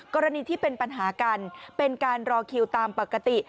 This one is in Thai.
กรณีที่เป็นปัญหากันเป็นการรอคิวตามปกติ